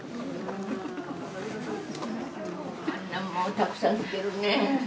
たくさん来てるねえ。